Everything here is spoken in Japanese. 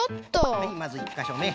はいまず１かしょめ。